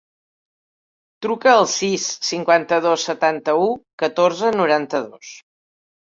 Truca al sis, cinquanta-dos, setanta-u, catorze, noranta-dos.